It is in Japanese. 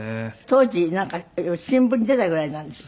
当時なんか新聞に出たぐらいなんですって？